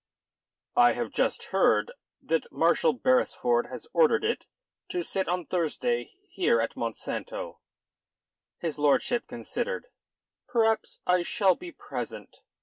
"I have just heard that Marshal Beresford has ordered it to sit on Thursday here at Monsanto." His lordship considered. "Perhaps I shall be present.